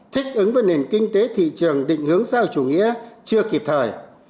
thích ứng với nền kinh tế thị trường định hướng sau chủ nghĩa chưa kịp thời